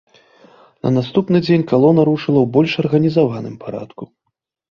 На наступны дзень калона рушыла у больш арганізаваным парадку.